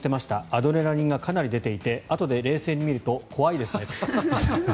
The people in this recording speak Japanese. アドレナリンがかなり出ていてあとで冷静に見ると怖いですねと。